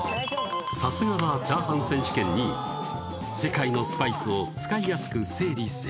さすがはチャーハン選手権２位世界のスパイスを使いやすく整理整頓